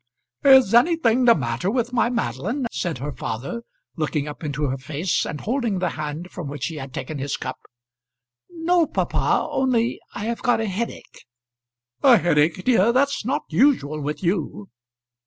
"Is anything the matter with my Madeline?" said her father, looking up into her face, and holding the hand from which he had taken his cup. "No, papa; only I have got a headache." "A headache, dear; that's not usual with you."